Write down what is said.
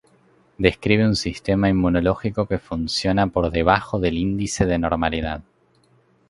Describe un sistema inmunológico que funciona por debajo del índice de normalidad.